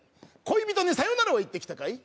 恋人にさよならは言ってきたかい？